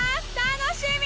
楽しみ！